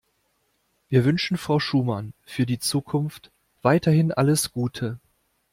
Wir wünschen Frau Schumann für die Zukunft weiterhin alles Gute.